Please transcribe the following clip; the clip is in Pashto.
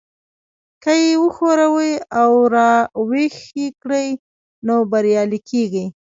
که يې وښوروئ او را ويښ يې کړئ نو بريالي کېږئ.